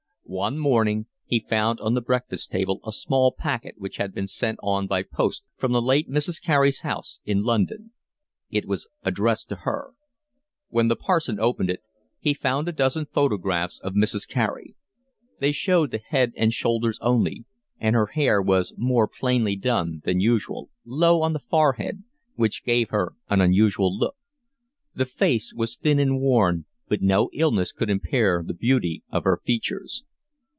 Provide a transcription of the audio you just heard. One morning he found on the breakfast table a small packet which had been sent on by post from the late Mrs. Carey's house in London. It was addressed to her. When the parson opened it he found a dozen photographs of Mrs. Carey. They showed the head and shoulders only, and her hair was more plainly done than usual, low on the forehead, which gave her an unusual look; the face was thin and worn, but no illness could impair the beauty of her features.